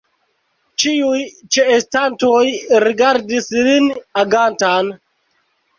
Ĉiuj ĉeestantoj rigardis lin agantan.